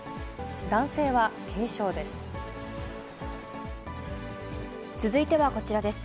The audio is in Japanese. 男性は軽傷です。